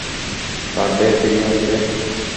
পারবে ফিরিয়ে আনতে?